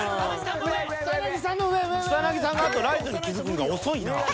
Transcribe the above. ［草さんがライトに気付くんが遅いなぁ］